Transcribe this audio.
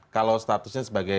kalau statusnya sebagai